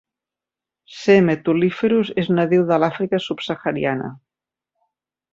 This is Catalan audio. "C. metuliferus" és nadiu de l"Àfrica Sub-Sahariana.